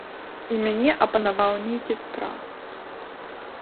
І мяне апанаваў нейкі страх.